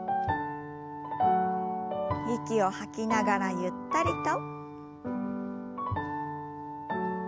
息を吐きながらゆったりと。